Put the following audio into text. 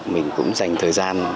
mình cũng dành thời gian